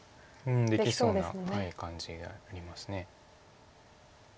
できそうな感じがあります。